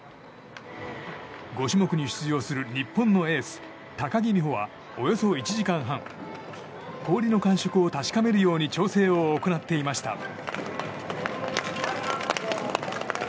５種目に出場する日本のエース高木美帆はおよそ１時間半氷の感触を確かめるように調整を行っていました。